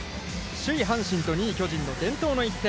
首位阪神と２位巨人の伝統の一戦。